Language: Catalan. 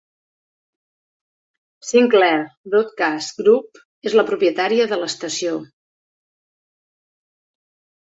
Sinclair Broadcast Group és la propietària de l'estació.